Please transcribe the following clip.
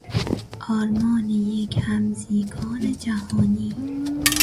آرمان یک همزیگان جهانی